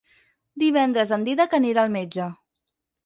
Divendres en Dídac anirà al metge.